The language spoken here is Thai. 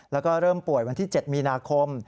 แล้วก็เริ่มป่วยวันที่๗มีนาคม